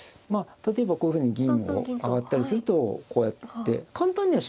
例えばこういうふうに銀を上がったりするとこうやって簡単には死なないんですね